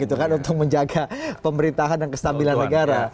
untuk menjaga pemerintahan dan kestabilan negara